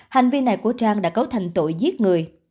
hành vi này của trang đã cấu thành tội giết người